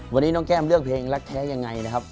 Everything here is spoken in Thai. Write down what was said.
วันนี้น้องแก้มเลือกเพลงรักแท้ยังไงนะครับ